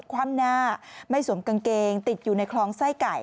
คว่ำหน้าไม่สวมกางเกงติดอยู่ในคลองไส้ไก่